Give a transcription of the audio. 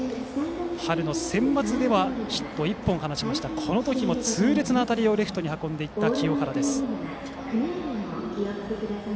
春のセンバツではヒット１本を放ちましたがこの時も痛烈な当たりをレフトへ運んだ清原です。